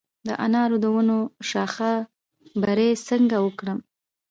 د انارو د ونو شاخه بري څنګه وکړم؟